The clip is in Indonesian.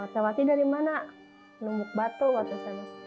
tewati dari mana penumbuk batu waktu itu